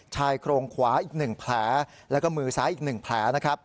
ชายโครงขวาอีก๑แผลแล้วก็มือซ้ายอีก๑แผลนะครับ